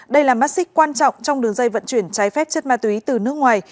đây là mắt xích quan trọng trong đường dây vận chuyển trái phép chất ma túy từ nước ngoài